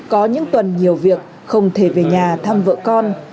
có những tuần nhiều việc không thể về nhà thăm vợ con